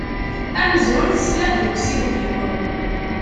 Amzun tesliḍ-d i usiwel-iw.